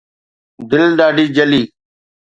دل ڏاڍي جلي